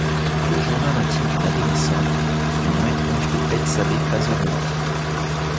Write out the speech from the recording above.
Le journal intime d'une adolescente, du nom étrange de Bethsabée Pasolini.